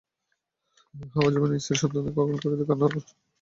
হাওয়াযিনের স্ত্রী-সন্তানদের গগনবিদারী কান্না আকাশ-বাতাস প্রকম্পিত হয়ে ওঠে।